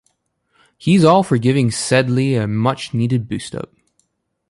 He's all for giving Sedleigh a much-needed boost-up.